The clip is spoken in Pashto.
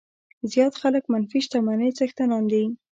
زیات خلک منفي شتمنۍ څښتنان دي.